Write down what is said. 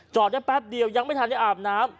จอดได้แปปเดียวยังไม่ทันให้อาบน้ำ